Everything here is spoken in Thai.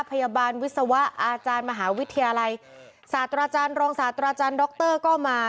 พยาบาลวิศวะอาจารย์มหาวิทยาลัยศาสตราจารย์รองศาสตราจารย์ดรก็มา